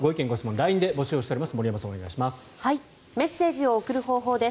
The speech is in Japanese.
ＬＩＮＥで募集しています。